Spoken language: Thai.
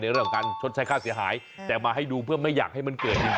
มีการชดใช้ค่าเสียหายแต่มาให้ดูเพื่อไม่อยากให้เกิดและถูก